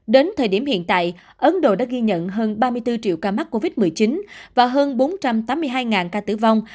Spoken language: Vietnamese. đến thời điểm hiện tại ấn độ đã ghi nhận hơn ba mươi bốn triệu ca mắc covid một mươi chín và hơn bốn trăm tám mươi hai ca tử vong